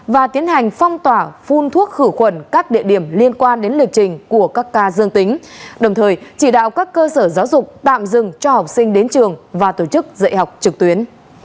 và tiến hành phong tỏa phun thuốc khử khuẩn các địa điểm liên quan đến lịch trình của các ca dương tính đồng thời chỉ đạo các cơ sở giáo dục tạm dừng cho học sinh đến trường và tổ chức dạy học trực tuyến